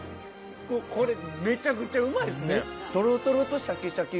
これめちゃくちゃうまいですね！